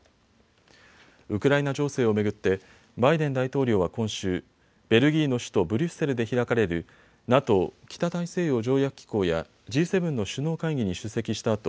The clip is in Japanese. ウクライナ情勢を巡ってバイデン大統領は今週、ベルギーの首都ブリュッセルで開かれるＮＡＴＯ・北大西洋条約機構やＧ７の首脳会議に出席した